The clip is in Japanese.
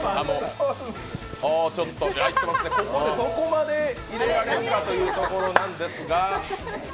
ここで、どこまで入れられるかというところですが。